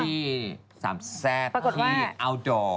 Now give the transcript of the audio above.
ที่สามแซ่บที่อัลดอร์